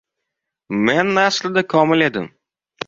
men aslida komil edim!